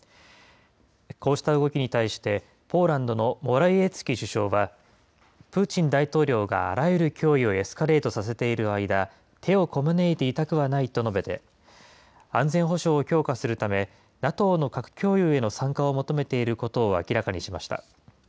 こうした動きに対して、ポーランドのモラウィエツキ首相は、プーチン大統領があらゆる脅威をエスカレートさせている間、手をこまねいていたくはないと述べていて、安全保障を強化するため、ＮＡＴＯの核共有への参加を求めていることを明らかにしました。